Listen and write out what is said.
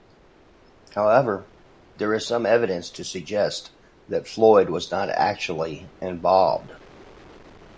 However, there is some evidence to suggest that Floyd was not actually involved.